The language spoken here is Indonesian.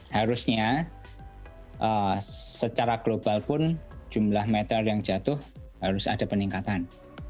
harusnya secara global pun jumlah metal yang jatuh harus ada peningkatan